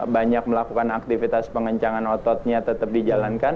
banyak melakukan aktivitas pengencangan ototnya tetap dijalankan